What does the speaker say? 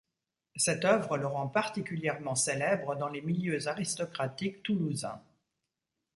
Cette œuvre le rend particulièrement célèbre dans les milieux aristocratiques toulousains.